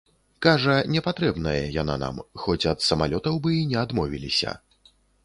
Кажа, не патрэбная яна нам, хоць ад самалётаў бы і не адмовіліся.